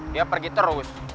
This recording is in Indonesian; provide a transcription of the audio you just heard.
dia pergi terus